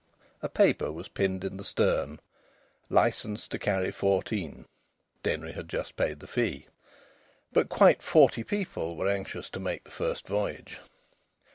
A paper was pinned in the stern: "Licensed to carry Fourteen." (Denry had just paid the fee.) But quite forty people were anxious to make the first voyage.